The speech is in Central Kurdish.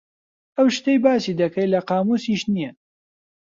ئەو شتەی باسی دەکەی لە قامووسیش نییە.